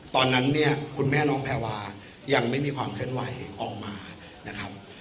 ตอนนั้นเนี่ยคุณแม่น้องแพรวายังไม่มีความเคลื่อนไหวออกมานะครับ